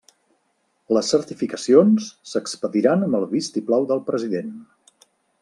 Les certificacions s'expediran amb el vistiplau del President.